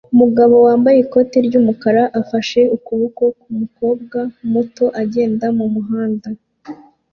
Umugabo wambaye ikoti ry'umukara afashe ukuboko k'umukobwa muto agenda mu muhanda